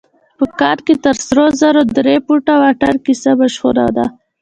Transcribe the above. په کان کې تر سرو زرو د درې فوټه واټن کيسه مشهوره ده.